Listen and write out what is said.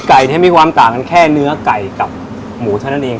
มีความต่างกันแค่เนื้อไก่กับหมูเท่านั้นเอง